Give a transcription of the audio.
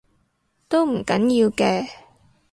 都唔緊要嘅